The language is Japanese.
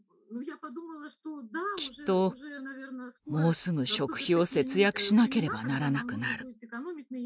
「きっともうすぐ食費を節約しなければならなくなる。